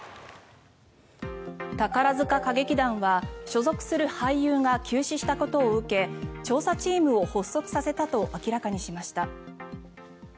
宝塚歌劇団は所属する俳優が急死したことを受け調査チームを発足させたと明らかにしました。